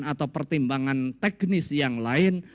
atau pertimbangan teknis yang lain